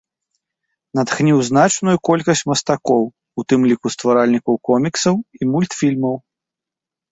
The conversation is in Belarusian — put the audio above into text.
Натхніў значную колькасць мастакоў, у тым ліку стваральнікаў коміксаў і мультфільмаў.